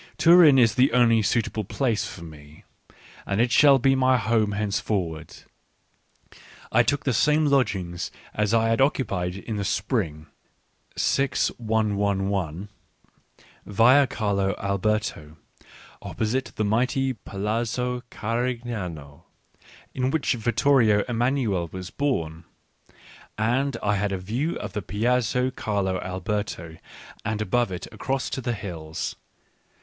Turin is the only suitable place for me, and it shall be my home henceforward. I took the same lodgings as I had occupied in the spring, 6 111 Via Carlo Alberto, opposite the mighty Palazzo Carignano, in which Vittorio Emanuele was born ; and I had a view of the Piazza Carlo Alberto and Digitized by Google WHY I WRITE SUCH EXCELLENT BOOKS 121 above it across to the hills.